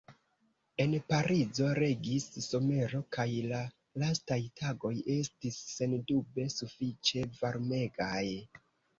En Parizo regis somero kaj la lastaj tagoj estis sendube sufiĉe varmegaj.